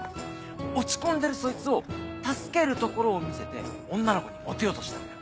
落ち込んでるそいつを助けるところを見せて女の子にモテようとしたのよ。